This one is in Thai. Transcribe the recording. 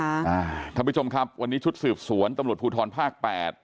ท่านผู้ชมครับวันนี้ชุดสืบสวนตำรวจภูทรภาคแปด